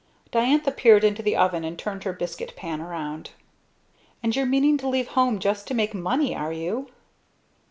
Diantha peered into the oven and turned her biscuit pan around. "And you're meaning to leave home just to make money, are you?"